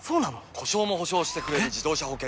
故障も補償してくれる自動車保険といえば？